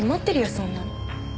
そんなの。